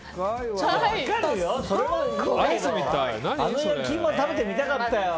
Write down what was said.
あの焼き芋食べてみたかったよ。